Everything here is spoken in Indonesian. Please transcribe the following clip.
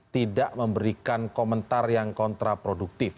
tidak memberikan komentar yang kontraproduktif